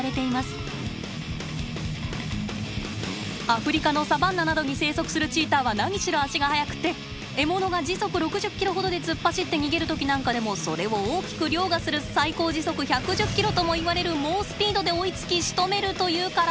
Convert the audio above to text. アフリカのサバンナなどに生息するチーターは何しろ足が速くって獲物が時速６０ｋｍほどで突っ走って逃げる時なんかでもそれを大きくりょうがする最高時速１１０ｋｍともいわれる猛スピードで追いつきしとめるというから驚きです。